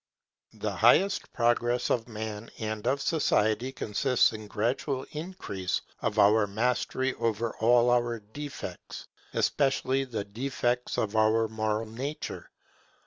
The highest progress of man and of society consists in gradual increase of our mastery over all our defects, especially the defects of our moral nature.